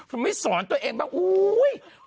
ก็ไม่สอนตนเองว่าอูย้